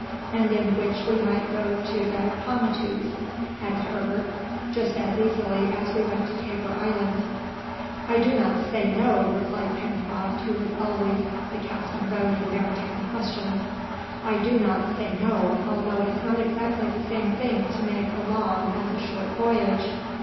"And in which we might go to the Pomatous," added Herbert, "just as easily as we went to Tabor Island." "I do not say no," replied Pencroft, who had always the casting vote in maritime questions; "I do not say no, although it is not exactly the same thing to make a long as a short voyage!